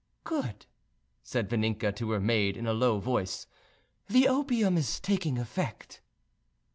"Good!" said Vaninka to her maid in a low voice: "the opium is taking effect."